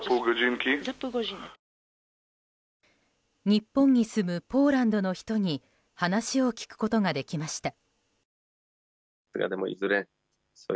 日本に住むポーランドの人に話を聞くことができました。